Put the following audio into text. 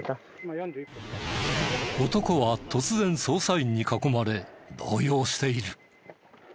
男は突然捜査員に囲まれ動揺している。